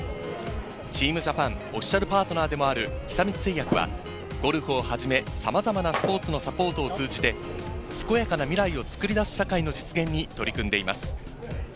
ＴＥＡＭＪＡＰＡＮオフィシャルパートナーでもある久光製薬はゴルフをはじめ、さまざまなスポーツをサポートを通じて、健やかな未来を作り出す社会の実現に取り組んでいます。